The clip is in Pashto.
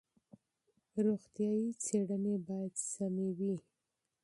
روغتیايي معلومات باید سم وي.